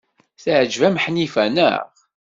Teɛjeb-am Ḥnifa, naɣ?